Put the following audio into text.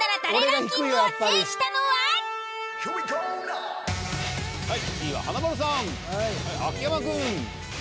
ランキングを制したのは？